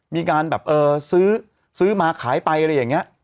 มีการแบบเอ่อซื้อซื้อมาขายไปอะไรอย่างเงี้ย